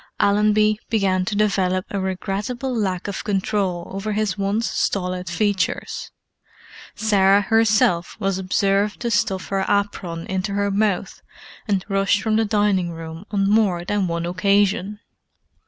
Allenby began to develop a regrettable lack of control over his once stolid features; Sarah herself was observed to stuff her apron into her mouth and rush from the dining room on more than one occasion.